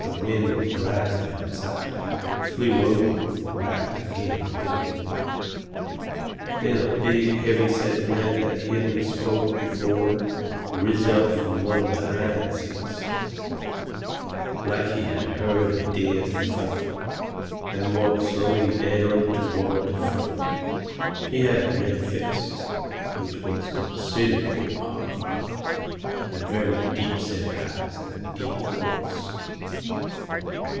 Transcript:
The wind was rising outside, and it flew open and whacked agin' the building. Then a big, heavy set man that hadn't spoke before riz up from one of the hind seats, like he had heard a dare to fight, and walked slowly down toward the front. He had a red face, which was considerable pock marked, and very deep set eyes, and a deep voice.